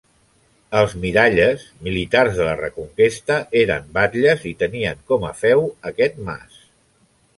Els Miralles, militars de la reconquesta, eren batlles i tenien com a feu aquest mas.